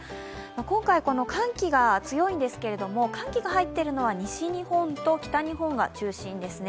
今回、寒気が強いんですけど寒気が入っているのは西日本と北日本が中心ですね。